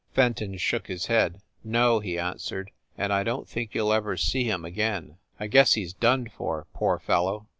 Fenton shook his head. "No," he answered, "and 1 don t think you ll ever see him again. I guess he s done for, poor fellow."